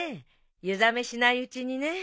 湯冷めしないうちにね。